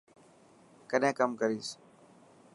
ڪڏهن ڪم ڪريس.